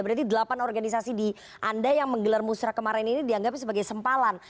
berarti delapan organisasi di anda yang menggelar musrah kemarin ini dianggap sebagai sempalan